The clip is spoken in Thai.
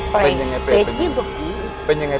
เปรตยิ่งกว่าผี